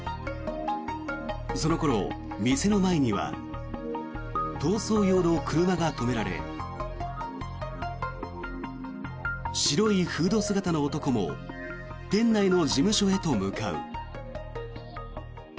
その頃、店の前には逃走用の車が止められ白いフード姿の男も店内の事務所へと向かう。